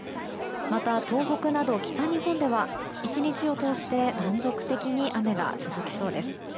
また、東北など北日本では１日を通して断続的に雨が続きそうです。